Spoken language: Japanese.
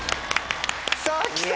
さぁ来た！